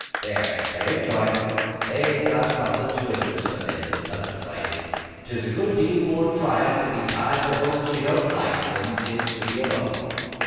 "There, they enjoy it; they've got to have somethin' to interest 'em in such a place; 'tis a good deal more tryin' to be tied to folks you don't like than 'tis to be alone.